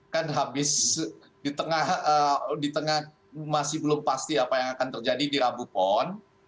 kan habis di tengah masih belum pasti apa yang akan terjadi di rabu pon